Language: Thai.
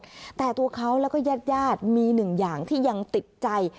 ให้ทั้งหมดแต่ตัวเขาแล้วก็ยาดมีหนึ่งอย่างที่ยังติดใจ